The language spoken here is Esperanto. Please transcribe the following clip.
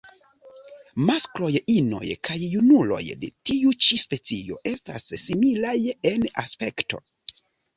Maskloj, inoj kaj junuloj de tiu ĉi specio estas similaj en aspekto.